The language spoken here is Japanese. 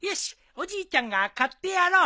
おじいちゃんが買ってやろう。